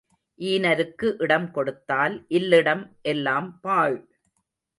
ஈனருக்கு இடம் கொடுத்தால் இல்லிடம் எல்லாம் பாழ்.